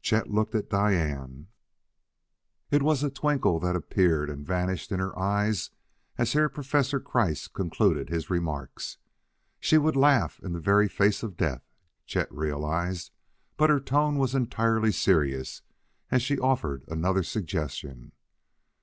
Chet looked at Diane. Was it a twinkle that appeared and vanished in her eyes as Herr Professor Kreiss concluded his remarks. She would laugh in the very face of death, Chet realized, but her tone was entirely serious as she offered another suggestion.